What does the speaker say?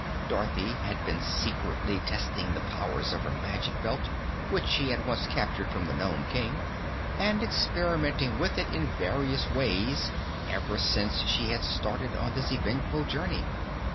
Dorothy had been secretly testing the powers of her Magic Belt, which she had once captured from the Nome King, and experimenting with it in various ways ever since she had started on this eventful journey.